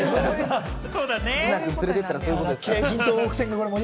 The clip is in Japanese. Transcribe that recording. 綱くんを連れてったらそういうことですから。